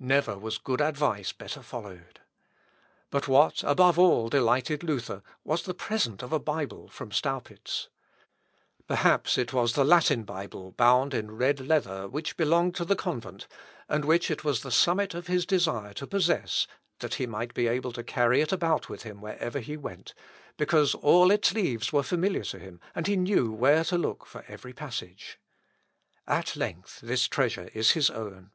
Never was good advice better followed. But what, above all, delighted Luther, was the present of a Bible from Staupitz. Perhaps it was the Latin Bible bound in red leather, which belonged to the convent, and which it was the summit of his desire to possess, that he might be able to carry it about with him wherever he went, because all its leaves were familiar to him, and he knew where to look for every passage. At length this treasure is his own.